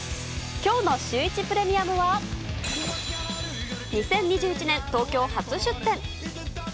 きょうのシュー１プレミアムは、２０２１年東京初出店。